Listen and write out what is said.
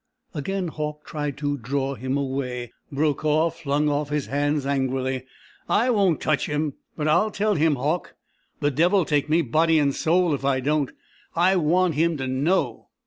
Again Hauck tried to draw him away. Brokaw flung off his hands angrily. "I won't touch him but I'll tell him, Hauck! The devil take me body and soul if I don't! I want him to know...."